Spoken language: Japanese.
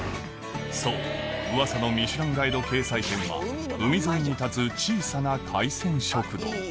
そううわさの『ミシュランガイド』掲載店は海沿いに立つ小さな海鮮食堂